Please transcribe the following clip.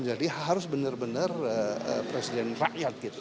jadi harus benar benar presiden rakyat gitu